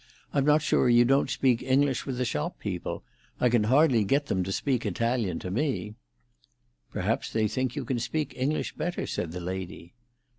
I'm not sure you don't speak English with the shop people. I can hardly get them to speak Italian to me." "Perhaps they think you can speak English better," said the lady.